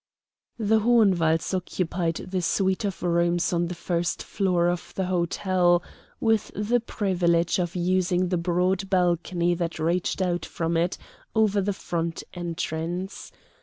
The Hohenwalds occupied the suite of rooms on the first floor of the hotel, with the privilege of using the broad balcony that reached out from it over the front entrance.